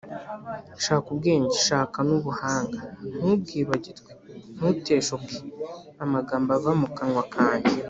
shaka ubwenge shaka n’ubuhanga, ntubwibagirwe, ntuteshuke amagambo ava mu kanwa kanjye